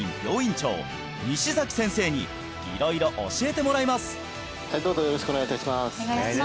長西先生に色々教えてもらいますどうぞよろしくお願いいたします